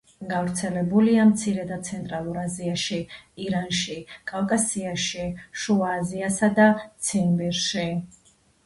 გავრცელებულია მცირე და ცენტრალურ აზიაში, ირანში, კავკასიაში, შუა აზიასა და ციმბირში.